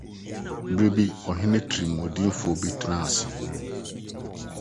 Bere bi, ɔhene tirimɔdenfo bi traa ase.